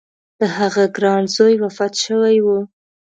د هغه ګران زوی وفات شوی و.